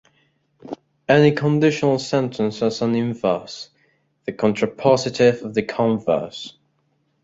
Any conditional sentence has an inverse: the contrapositive of the converse.